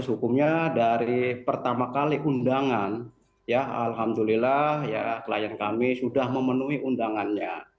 hukumnya dari pertama kali undangan ya alhamdulillah klien kami sudah memenuhi undangannya